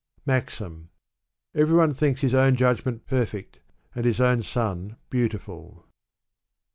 MAXIM. Every one thinks his own judgment perfect, and his own son beautiful.